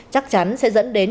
chắc chắn sẽ dẫn đến